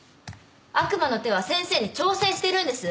悪魔の手は先生に挑戦してるんです。